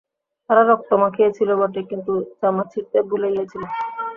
তারা রক্ত মাখিয়েছিল বটে কিন্তু জামা ছিড়তে ভুলে গিয়েছিল।